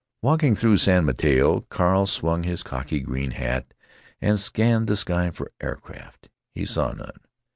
Walking through San Mateo, Carl swung his cocky green hat and scanned the sky for aircraft. He saw none.